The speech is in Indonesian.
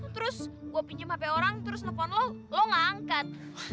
terus gue pinjem hp orang terus nelfon lo lo nggak angkat